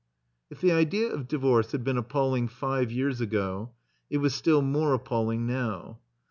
If the idea of divorce had been appalling five years ago, it was still more appalling now.